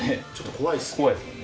怖いですもんね。